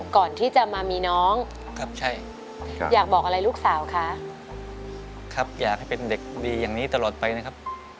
ก่อนที่จะมามีน้องครับใช่ครับอยากบอกอะไรลูกสาวคะครับอยากให้เป็นเด็กดีอย่างนี้ตลอดไปนะครับ